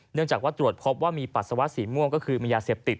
เนื่องจากว่าตรวจพบว่ามีปัสสาวะสีม่วงก็คือมียาเสพติด